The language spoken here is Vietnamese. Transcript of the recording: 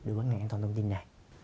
đối với các ngành an toàn thông tin này